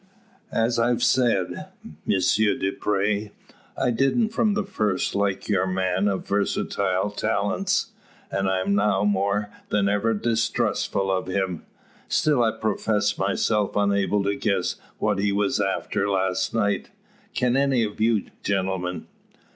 As I've said, M. Dupre, I didn't from the first like your man of versatile talents; and I'm now more than ever distrustful of him. Still I profess myself unable to guess what he was after last night. Can any of you, gentlemen?"